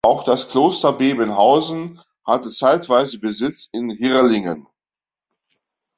Auch das Kloster Bebenhausen hatte zeitweise Besitz in Hirrlingen.